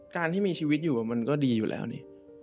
การที่มีชีวิตอยู่มันก็ดีอยู่แล้วนี่